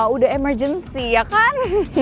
udah emergency ya kan